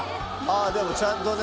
あでもちゃんとね。